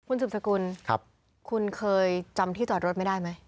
คุณสุบสกุลคุณเคยจำที่จอดรถไม่ได้ไหม